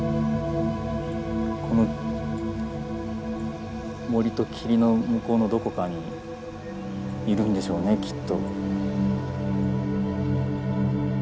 この森と霧の向こうのどこかにいるんでしょうねきっと。